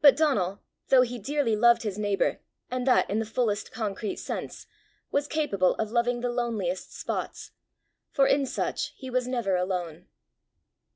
But Donal, though he dearly loved his neighbour, and that in the fullest concrete sense, was capable of loving the loneliest spots, for in such he was never alone.